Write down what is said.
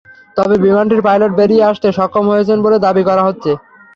তবে বিমানটির পাইলট বেরিয়ে আসতে সক্ষম হয়েছেন বলে দাবি করা হচ্ছে।